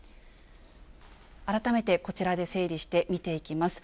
改めてこちらで整理して見ていきます。